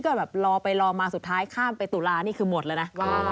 ก็แบบรอไปรอมาสุดท้ายข้ามไปตุลานี่คือหมดเลยนะ